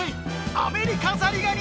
アメリカザリガニ！